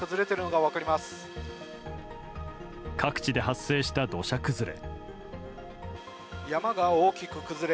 各地で発生した土砂崩れ。